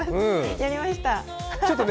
やりました。